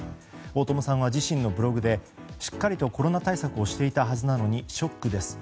大友さんは自身のブログでしっかりとコロナ対策をしていたはずなのにショックです。